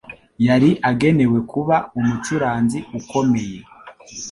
Yari agenewe kuba umucuranzi ukomeye.